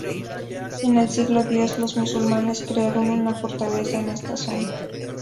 En el siglo X los musulmanes crearon una fortaleza en esta zona.